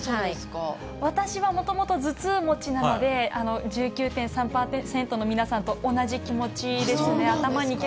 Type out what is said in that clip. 私はもともと頭痛持ちなので、１９．３％の皆さんと同じ気持ちですね。